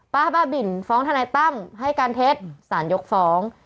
บ้าบินฟ้องทนายตั้มให้การเท็จสารยกฟ้อง